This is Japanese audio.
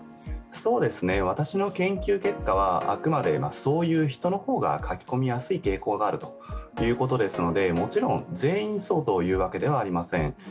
私の研究結果はあくまでそういう人の方が書き込みやすい傾向があるということですのでもちろん全員そうというわけではありません。